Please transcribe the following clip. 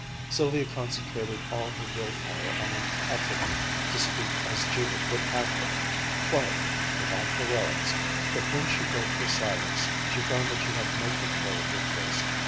Sylvia concentrated all her will power on an effort to speak as Judith would have her, quietly, without heroics; but when she broke her silence she found that she had no control of her voice.